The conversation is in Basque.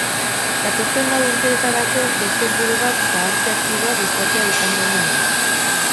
Datozen lau urteetarako beste helburu bat zahartze aktiboa sustatzea izango omen da.